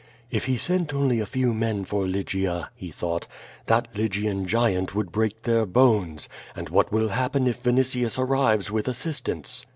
"If he sent only a few men for Lygia," he thought, "that Ly gian giant would break their bones, and what will happen if Vinitius arrives with assistance?"